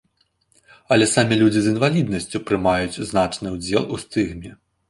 Але самі людзі з інваліднасцю прымаюць значны ўдзел у стыгме.